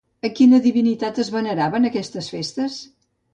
A quina divinitat es venerava en aquestes festes?